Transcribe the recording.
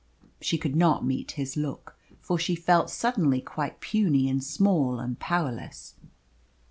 She could not meet his look, for she felt suddenly quite puny and small and powerless.